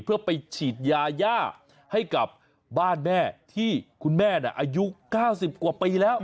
เพื่อไปฉีดยาย่าให้กับบ้านแม่ที่คุณแม่อายุ๙๐กว่าปีแล้ว